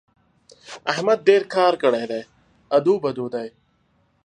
احمد ډېر کار کړی دی؛ ادو بدو دی.